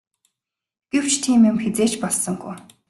Гэвч тийм юм хэзээ ч болсонгүй.